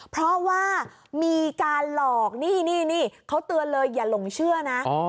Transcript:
เพราะว่ามีการหลอกนี่นี่เขาเตือนเลยอย่าหลงเชื่อนะ